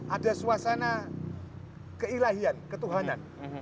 ada suasana keilahian ketuhanan